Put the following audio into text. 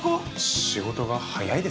仕事が早いですね。